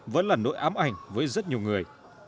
vẫn là nỗi ám ảnh với rất nhiều người